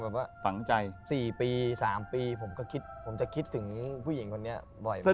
แต่ว่าสี่ปีสามปีผมก็คิดผมจะคิดถึงผู้หญิงคนนี้บ่อยมาก